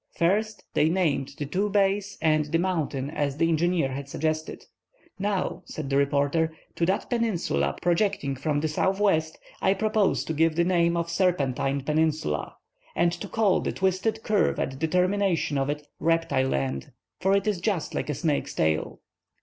First, they named the two bays and the mountain as the engineer had suggested. "Now," said the reporter, "to that peninsula projecting from the southwest I propose to give the name of Serpentine Peninsula, and to call the twisted curve at the termination of it Reptile End, for it is just like a snake's tail."